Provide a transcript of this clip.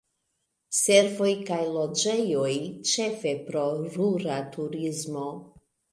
Servoj kaj loĝejoj, ĉefe pro rura turismo.